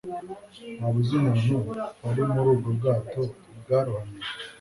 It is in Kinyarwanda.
Waba uzi umuntu wari muri ubwo bwato bwarohamye?